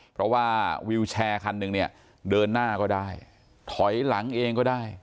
เพราะว่าวิวแชร์คันหนึ่งเนี่ยเดินหน้าก็ได้ถอยหลังเองก็ได้